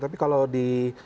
tapi kalau di